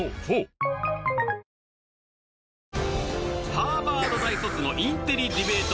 ハーバード大卒のインテリディベート